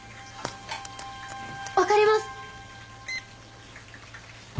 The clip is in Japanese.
分かります！